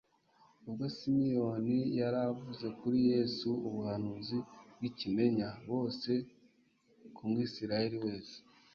Ubwo Simiyoni yari avuze kuri Yesu ubuhanuzi bw'ikimenya bose ku mwisiraeli wese.